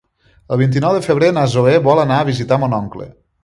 El vint-i-nou de febrer na Zoè vol anar a visitar mon oncle.